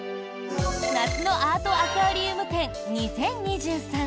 夏のアートアクアリウム展２０２３